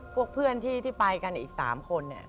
พวกเพื่อนที่ไปกันอีก๓คน